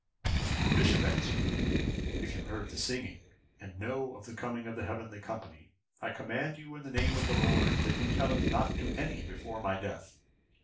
The bishop answered: "If you heard the singing, and know of the coming of the heavenly company, I command you, in the Name of the Lord, that you tell it not to any before my death.